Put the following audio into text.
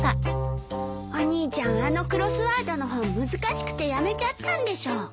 お兄ちゃんあのクロスワードの本難しくてやめちゃったんでしょ。